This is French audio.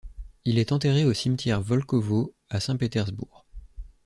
Il est enterré au cimetière Volkovo à Saint-Pétersbourg.